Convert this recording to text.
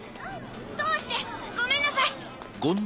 通してごめんなさい！